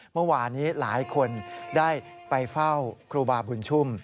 เมื่อวานนี้หลายคนได้ไปเฝ้าครูบาบุญชุ่ม